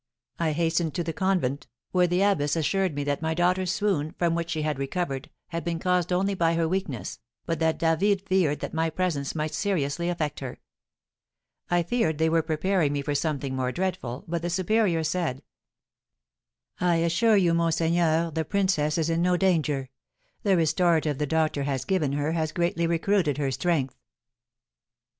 I hastened to the convent, where the abbess assured me that my daughter's swoon, from which she had recovered, had been caused only by her weakness, but that David feared that my presence might seriously affect her. I feared they were preparing me for something more dreadful, but the superior said: "I assure you, monseigneur, the princess is in no danger; the restorative the doctor has given her has greatly recruited her strength."